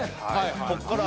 ここからは。